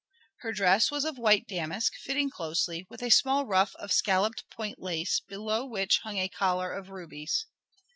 Her dress was of white damask, fitting closely, with a small ruff of scalloped point lace, below which hung a collar of rubies.